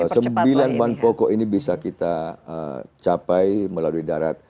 sembilan bahan pokok ini bisa kita capai melalui darat